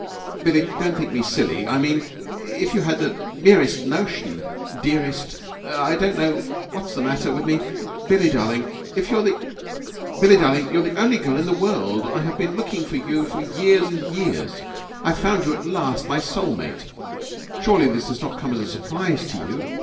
"Billie, don't think me silly ... I mean ... if you had the merest notion, dearest ... I don't know what's the matter with me ... Billie, darling, you are the only girl in the world! I have been looking for you for years and years and I have found you at last, my soul mate. Surely this does not come as a surprise to you?